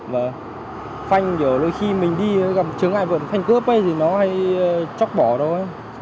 và phanh kiểu đôi khi mình đi gặp chứng ai vượt phanh cướp ấy thì nó hay chóc bỏ đâu ấy